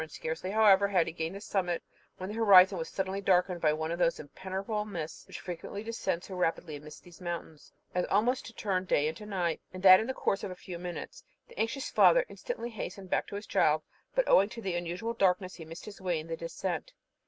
Scarcely, however, had he gained the summit, when the horizon was suddenly darkened by one of those impenetrable mists which frequently descend so rapidly amidst these mountains, as almost to turn day into night, and that in the course of a few minutes. The anxious father instantly hastened back to find his child, but, owing to the unusual darkness, he missed his way in the descent.